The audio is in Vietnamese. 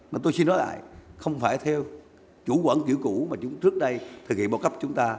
mà tôi xin nói lại không phải theo chủ quản kiểu cũ mà chúng trước đây thực hiện bảo cấp chúng ta